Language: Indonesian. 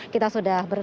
kita sudah berkata